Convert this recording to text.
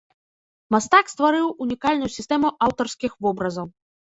Мастак стварыў унікальную сістэму аўтарскіх вобразаў.